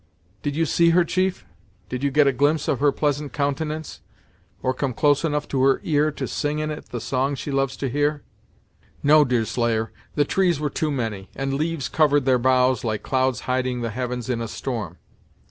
"Did you see her, chief did you get a glimpse of her pleasant countenance, or come close enough to her ear, to sing in it the song she loves to hear?" "No, Deerslayer the trees were too many, and leaves covered their boughs like clouds hiding the heavens in a storm.